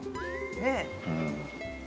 ねえ。